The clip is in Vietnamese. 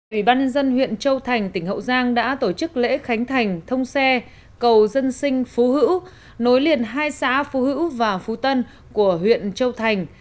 ủy ban nhân dân huyện châu thành tỉnh hậu giang đã tổ chức lễ khánh thành thông xe cầu dân sinh phú hữu nối liền hai xã phú hữu và phú tân của huyện châu thành